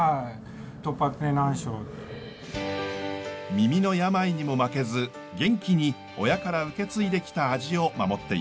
耳の病にも負けず元気に親から受け継いできた味を守っています。